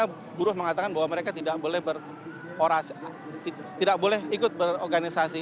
jadi buruh mengatakan bahwa mereka tidak boleh ikut berorganisasi